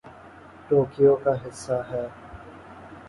Tokyo کا حصہ ہے